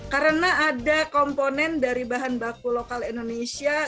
karena ada komponen dari bahan baku lokal indonesia